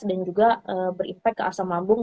dan juga berimpak ke asam lambung